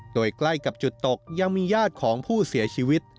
โดยใกล้กับจุดตกยังมีญาติของผู้เสียชีวิต